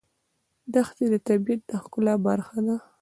دښتې د طبیعت د ښکلا برخه ده.